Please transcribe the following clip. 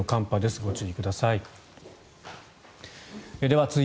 ご注意ください。